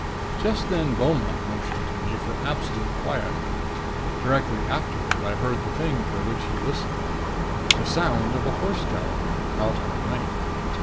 "Just then Beaumont motioned to me for absolute quiet. Directly afterward I heard the thing for which he listened the sound of a horse galloping, out in the night.